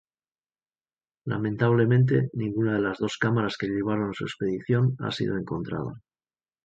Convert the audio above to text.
Lamentablemente, ninguna de las dos cámaras que llevaron en su expedición ha sido encontrada.